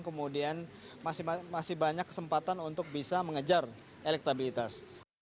kemudian masih banyak kesempatan untuk bisa mengejar elektabilitas